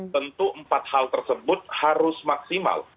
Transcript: tentu empat hal tersebut harus maksimal